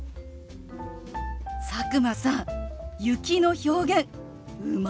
佐久間さん「雪」の表現うまいじゃない！